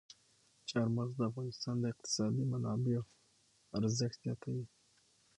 چار مغز د افغانستان د اقتصادي منابعو ارزښت زیاتوي.